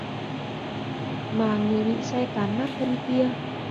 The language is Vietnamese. mà người bị xe cán nát thân kia